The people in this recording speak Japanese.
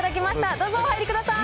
どうぞお入りください。